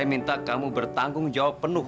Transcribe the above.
saya minta kamu bertanggung jawab penuh